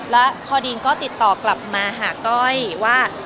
แล้วพอดีนก็ติดต่อกลับมาหาก้อยว่า